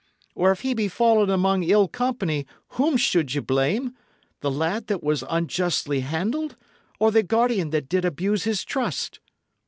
Or if he be fallen among ill company, whom should ye blame the lad that was unjustly handled, or the guardian that did abuse his trust?"